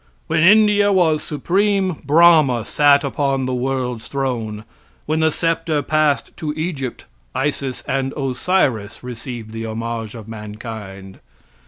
When India was supreme, Brahma sat upon the world's throne. When the sceptre passed to Egypt, Isis and Osiris received the homage of mankind.